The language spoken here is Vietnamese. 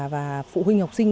và phụ huynh học sinh